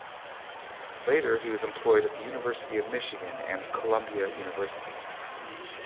Later, he was employed at the University of Michigan and Columbia University.